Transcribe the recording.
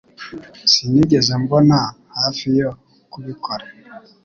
Sinigeze mbona hafi yo kubikora